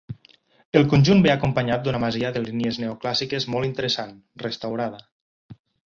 El conjunt ve acompanyat d'una masia de línies neoclàssiques molt interessant, restaurada.